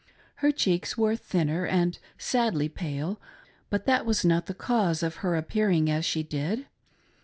Her cheeks were thin ner and sadly pale, but that was not the cause of her appearing as she did.